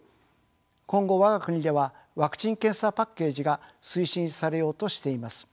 今後我が国ではワクチン・検査パッケージが推進されようとしています。